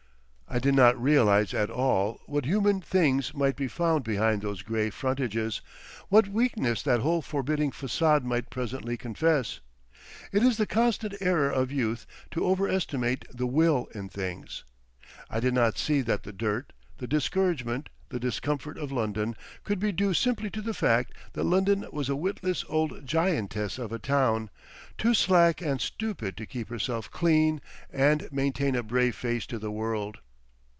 I did not realise at all what human things might be found behind those grey frontages, what weakness that whole forbidding façade might presently confess. It is the constant error of youth to over estimate the Will in things. I did not see that the dirt, the discouragement, the discomfort of London could be due simply to the fact that London was a witless old giantess of a town, too slack and stupid to keep herself clean and maintain a brave face to the word.